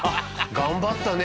頑張ったね